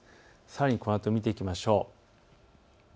さらにこのあと見ていきましょう。